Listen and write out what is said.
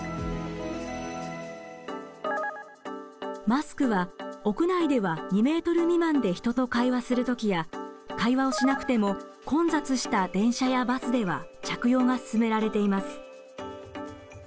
マスクは屋内では２ｍ未満で人と会話する時や会話をしなくても混雑した電車やバスでは着用が勧められています。